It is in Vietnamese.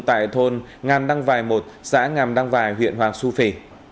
tại thôn ngàn đăng vài một xã ngàm đăng vài huyện hoàng su phi